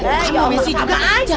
kamu mesin juga